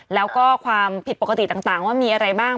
แล้วก็ความผิดปกติต่างว่ามีอะไรบ้าง